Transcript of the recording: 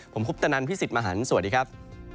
ผมคุปตะนันพี่สิทธิ์มหันฯสวัสดีครับ